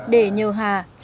để nhờ hà chạy sinh